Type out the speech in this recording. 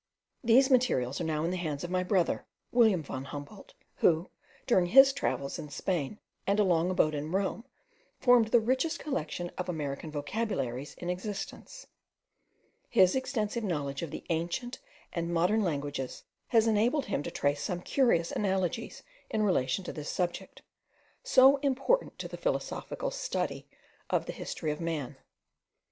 These materials are now in the hands of my brother, William von Humboldt, who, during his travels in Spain, and a long abode at Rome, formed the richest collection of American vocabularies in existence. His extensive knowledge of the ancient and modern languages has enabled him to trace some curious analogies in relation to this subject, so important to the philosophical study of the history of man.